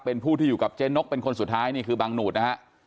เป็นผู้ที่อยู่กับเจ๊นกเป็นคนสุดท้ายนี่คือบังหนวดนะฮะ